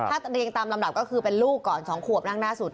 ถ้าเรียงตามลำดับก็คือเป็นลูกก่อน๒ขวบนั่งหน้าสุด